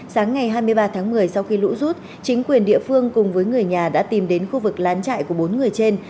sáng ngày hai mươi ba tháng một mươi sau khi lũ rút chính quyền địa phương cùng với người nhà đã tìm đến khu vực lán trại của bốn người trên